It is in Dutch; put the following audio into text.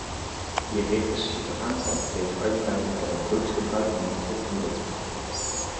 Die repressieve aanpak heeft uitbreiding van het drugsgebruik niet verhinderd.